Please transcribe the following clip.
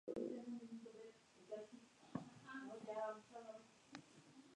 La sala de montaje es la gran suavizadora